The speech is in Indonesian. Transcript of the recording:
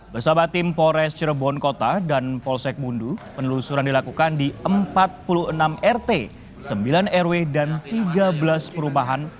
bersama tim polres cirebon kota dan polsek bundu penelusuran dilakukan di empat puluh enam rt sembilan rw dan tiga belas perumahan